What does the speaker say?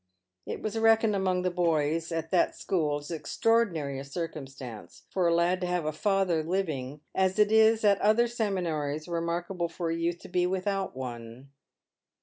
It was reckoned among the boys at that school as extraordinary a circumstance for a lad to have a father living, as it is at other seminaries remarkable for a youth to be with out one.